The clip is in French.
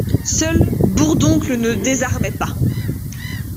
Seul, Bourdoncle ne désarmait pas.